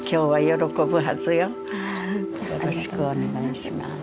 よろしくお願いします。